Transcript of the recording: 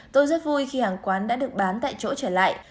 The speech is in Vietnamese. tôi rất vui khi hàng quán đã được bán tại chỗ trở lại